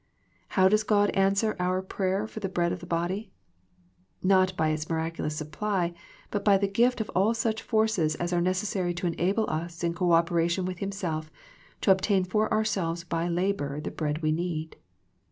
How does God answer our prayer for the bread of the body ? Not by its miraculous supply but by the gift of all such forces as are ( necessary to enable us in cooperation with Him i self to obtain for ourselves by labour the bread : we need.